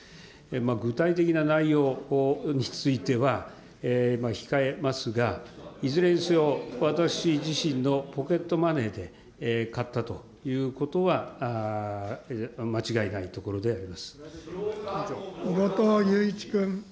具体的な内容については、控えますが、いずれにせよ、私自身のポケットマネーで買ったということは間違いないところで後藤祐一君。